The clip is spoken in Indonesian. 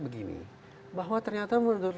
begini bahwa ternyata menurut